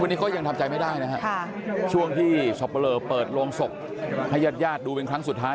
วันนี้ก็ยังทำใจไม่ได้นะฮะช่วงที่สับปะเลอเปิดโรงศพให้ญาติญาติดูเป็นครั้งสุดท้าย